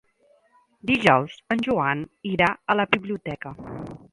Dijous en Joan irà a la biblioteca.